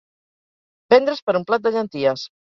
Vendre's per un plat de llenties.